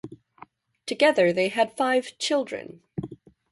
Together they had five children.